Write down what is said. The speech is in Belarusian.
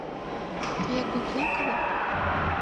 Ты як бы плакала?